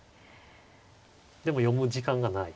でも読む時間がない。